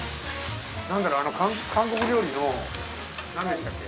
なんだろう韓国料理のなんでしたっけ？